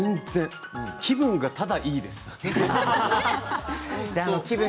気分が、ただいいです。